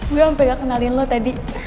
gue sampai gak kenalin lo tadi